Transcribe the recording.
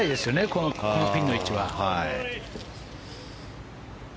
このピンの位置は。